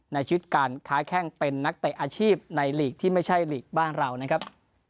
ในชีวิตการค้าแข้งเป็นนักเตะอาชีพในหลีกที่ไม่ใช่หลีกบ้านเรานะครับ